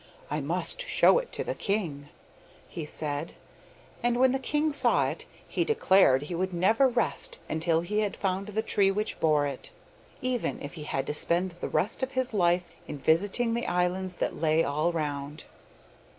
I must show it to the king,' he said, and when the king saw it he declared he would never rest until he had found the tree which bore it, even if he had to spend the rest of his life in visiting the islands that lay all round.